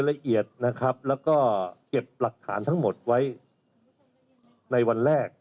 ละเอียดนะครับแล้วก็เก็บหลักฐานทั้งหมดไว้ในวันแรก